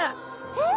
えっ？